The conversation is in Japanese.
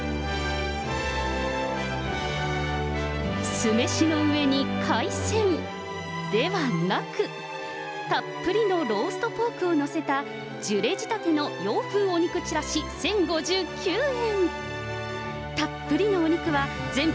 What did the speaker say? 酢飯の上に海鮮、ではなく、たっぷりのローストポークを載せた、ジュレ仕立ての洋風お肉ちらし１０５９円。